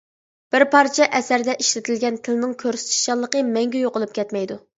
بىر پارچە ئەسەردە ئىشلىتىلگەن تىلنىڭ كۆرسىتىشچانلىقى مەڭگۈ يوقىلىپ كەتمەيدۇ.